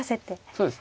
そうですね。